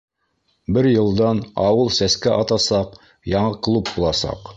Бер йылдан ауыл сәскә атасаҡ, яңы клуб буласаҡ!